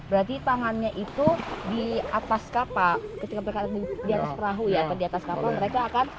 berarti tangannya itu di atas kapak di atas perahu ya atau di atas kapak mereka akan menculupkan tangannya ke atas kapak